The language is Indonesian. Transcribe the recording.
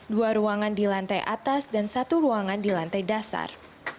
dua ruangan di lantai atas dan satu ruangan di lantai dasar